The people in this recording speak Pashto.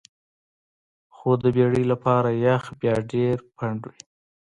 خو د بیړۍ لپاره یخ بیا ډیر پنډ وي